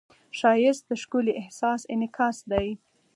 ښایست د ښکلي احساس انعکاس دی